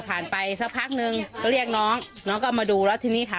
ไปสักพักนึงก็เรียกน้องน้องก็มาดูแล้วทีนี้ค่ะ